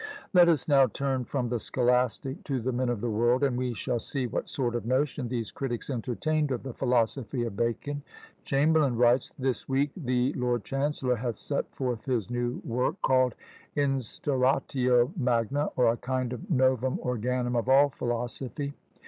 Let us now turn from the scholastic to the men of the world, and we shall see what sort of notion these critics entertained of the philosophy of Bacon. Chamberlain writes, "This week the lord chancellor hath set forth his new work, called Instauratio Magna, or a kind of Novum Organum of all philosophy.